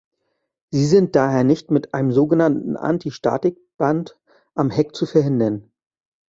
Sie sind daher nicht mit einem sogenannten Antistatik-Band am Heck zu verhindern.